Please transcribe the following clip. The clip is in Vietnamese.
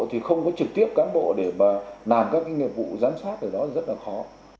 thì không có trực tiếp cán bộ để mà làm các nghiệp vụ giám sát ở đó rất là khó